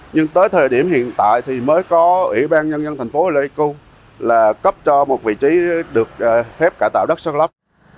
nhưng tới thời điểm hiện tại thì mới có ủy ban nhân dân thành phố lê cung là cấp cho một vị trí được phép cải tạo đất sát lấp